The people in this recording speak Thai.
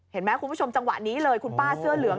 เห็นไหมคุณผู้ชมจังหวะนี้เลยคุณป้าเสื้อเหลือง